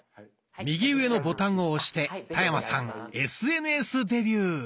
右上のボタンを押して田山さんＳＮＳデビュー。